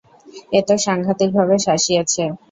এত সাংঘাতিকভাবে শাসিয়েছে।